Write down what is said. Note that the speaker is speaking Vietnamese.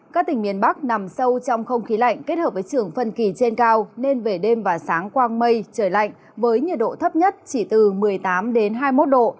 các tỉnh miền bắc nằm sâu trong không khí lạnh kết hợp với trường phân kỳ trên cao nên về đêm và sáng quang mây trời lạnh với nhiệt độ thấp nhất chỉ từ một mươi tám hai mươi một độ